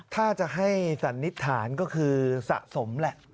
ถ้าจะให้สันนิษฐานก็คือสะสมแหละ